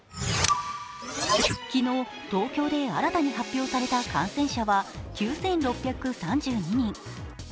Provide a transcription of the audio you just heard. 昨日、東京で新たに発表された感染者は９６３２人。